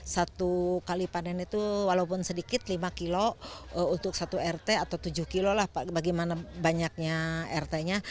satu kali panen itu walaupun sedikit lima kilo untuk satu rt atau tujuh kilo lah bagaimana banyaknya rt nya